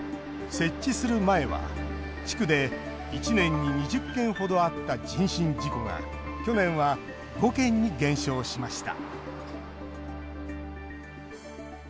設置する前は、地区で１年に２０件ほどあった人身事故が去年は５件に減少しました